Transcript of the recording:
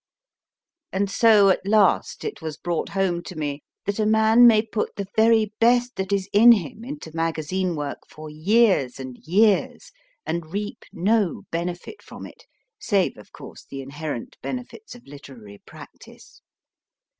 And so at last it was brought home to me that a man may put the very best that is in him into magazine work for years and years and reap no benefit from it, save, of course, the inherent benefits of literary practice.